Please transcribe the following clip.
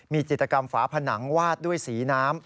มีจิตกรรมฝาผนังวาดด้วยสีน้ำ